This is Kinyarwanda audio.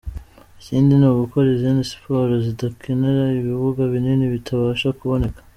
Ikindi ni ugukora izindi siporo zidakenera ibibuga binini bitabasha kuboneka.